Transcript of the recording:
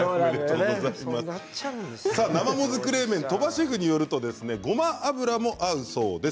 生もずく冷麺、鳥羽シェフによりますとごま油も合うそうです。